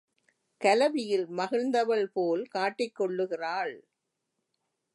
கலவியில் மகிழ்ந்தவள் போல் காட்டிக் கொள்ளுகிறாள்.